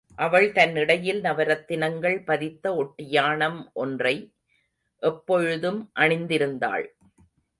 அவள் தன் இடையில் நவரத்தினங்கள் பதித்த ஒட்டியாணம் ஒன்றை எப்பொழுதும் அணிந்திருந்தாள்.